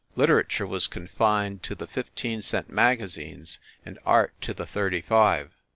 Literature was confined to the fifteen cent magazines and art to the thirty five.